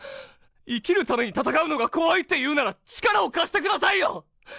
生きる為に戦うのが怖いって言うなら力を貸して下さいよ。